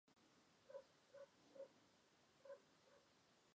定县华溪蟹为溪蟹科华溪蟹属的动物。